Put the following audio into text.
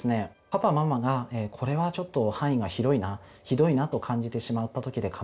パパママが「これはちょっと範囲が広いな」「ひどいな」と感じてしまったときでかまいません。